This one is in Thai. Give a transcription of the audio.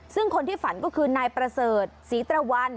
ซึ่งคนที่ฝันก็คือนายประเสริฐศรีตระวัน